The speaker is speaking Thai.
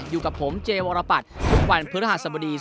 อยู่กับผมเจวรปัตร